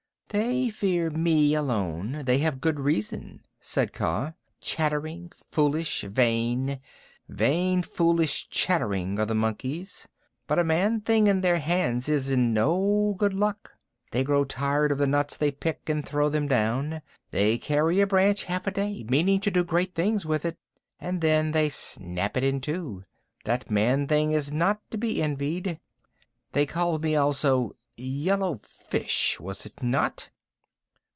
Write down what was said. "They fear me alone. They have good reason," said Kaa. "Chattering, foolish, vain vain, foolish, and chattering, are the monkeys. But a man thing in their hands is in no good luck. They grow tired of the nuts they pick, and throw them down. They carry a branch half a day, meaning to do great things with it, and then they snap it in two. That man thing is not to be envied. They called me also `yellow fish' was it not?"